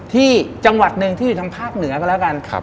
ที่จังหวัดหนึ่งที่อยู่ทางภาคเหนือก็แล้วกัน